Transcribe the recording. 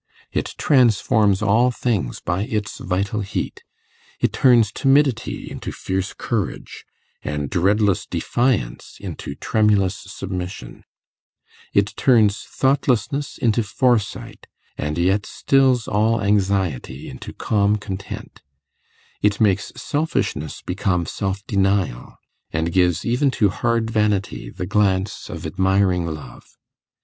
It transforms all things by its vital heat: it turns timidity into fierce courage, and dreadless defiance into tremulous submission; it turns thoughtlessness into foresight, and yet stills all anxiety into calm content; it makes selfishness become self denial, and gives even to hard vanity the glance of admiring love.